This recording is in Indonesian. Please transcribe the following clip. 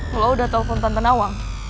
kalau udah telpon tante nawang